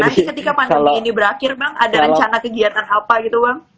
nanti ketika pandemi ini berakhir bang ada rencana kegiatan apa gitu bang